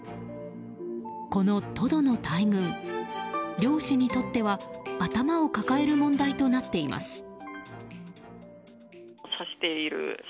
このトドの大群、漁師にとっては頭を抱える問題となっています。